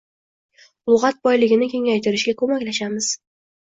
lug‘at boyligini kengaytirishga ko‘maklashamiz